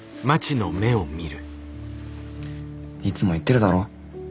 いつも言ってるだろ？